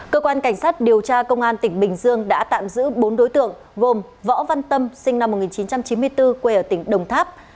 cơ quan cảnh sát điều tra công an tỉnh bình dương đã tạm giữ bốn đối tượng gồm võ văn tâm sinh năm một nghìn chín trăm chín mươi bốn quê ở tỉnh đồng tháp